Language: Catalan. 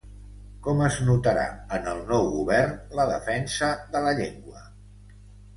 Com es notarà en el nou govern la defensa de la llengua?